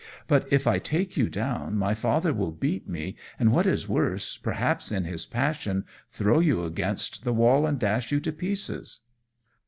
But if I take you down, my father will beat me, and, what is worse, perhaps, in his passion, throw you against the wall, and dash you to pieces."